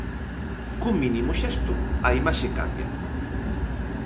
Cun mínimo xesto, a imaxe cambia.